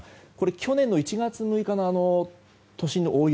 去年の１月６日の都心の大雪。